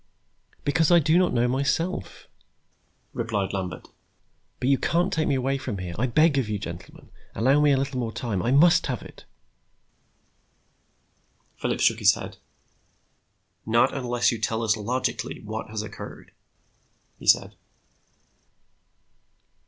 "Because I do not know myself," replied Lambert. "But you can't take me away from here. I beg of you, gentlemen, allow me a little more time. I must have it." Phillips shook his head. "Not unless you tell us logically what has occurred," he said.